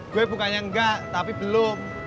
gue bukannya enggak tapi belum